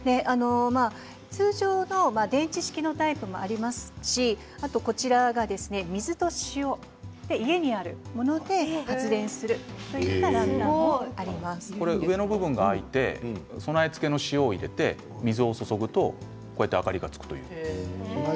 通常の電池式のタイプもありますし水と塩、家にあるもので発電するという上の部分が開いて備え付けの塩を入れて水を注ぐと明かりがつく。